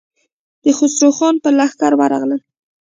د خسرو خان پر لښکر ورغلل.